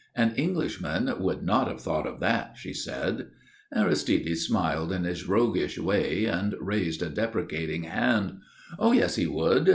"An Englishman would not have thought of that," she said. Aristide smiled in his roguish way and raised a deprecating hand. "Oh, yes, he would.